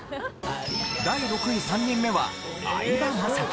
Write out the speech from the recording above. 第６位３人目は相葉雅紀。